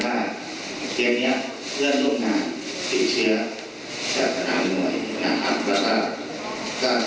เขาบอกไหมคะเขาทำยังไงให้บอกว่าสมรวมอะไรอย่างไรเขาบอกไหมคะ